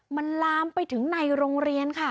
มันลามไปถึงในโรงเรียนค่ะ